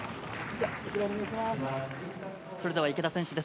それでは池田選手です。